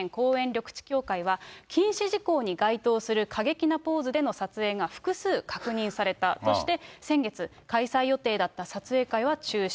緑地協会は、禁止事項に該当する過激なポーズでの撮影が複数確認されたとして、先月、開催予定だった撮影会は中止。